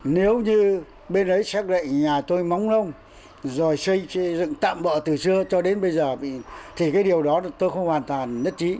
nếu như bên ấy xác định nhà tôi móng lông rồi xây dựng tạm bỡ từ xưa cho đến bây giờ thì cái điều đó tôi không hoàn toàn nhất trí